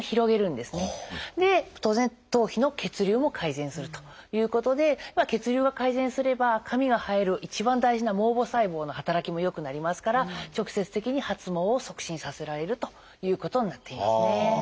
で当然頭皮の血流も改善するということで血流が改善すれば髪が生える一番大事な毛母細胞の働きも良くなりますから直接的に発毛を促進させられるということになっていますね。